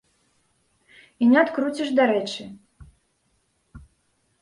І не адкруціш, дарэчы.